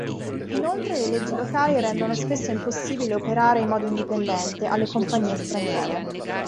Inoltre le leggi locali rendono spesso impossibile operare in modo indipendente alle compagnie straniere.